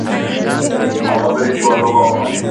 څه شی د هېوادونو ترمنځ باور زیاتوي؟